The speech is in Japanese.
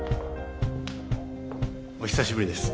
お久しぶりです。